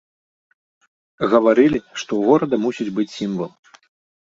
Гаварылі, што ў горада мусіць быць сімвал.